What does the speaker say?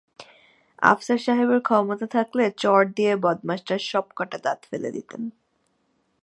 আফসার সাহেবের ক্ষমতা থাকলে চড় দিয়ে বদমাশটার সব কটা দাঁত ফেলে দিতেন।